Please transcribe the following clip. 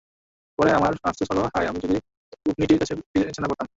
পরে আমার আফসোস হলো—হায়, যদি আমি উটনীটির পিছে না পড়তাম।